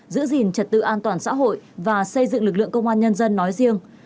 giữ gìn trật tự an toàn xã hội và xây dựng lực lượng công an nhân dân nói riêng